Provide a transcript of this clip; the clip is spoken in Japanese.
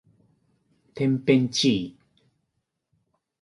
てんぺんちい